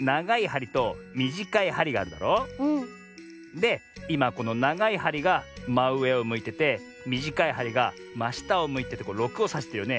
でいまこのながいはりがまうえをむいててみじかいはりがましたをむいてて６をさしてるよね。